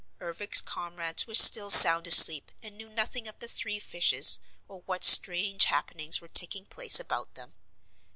Ervic's comrades were still sound asleep and knew nothing of the three fishes or what strange happenings were taking place about them.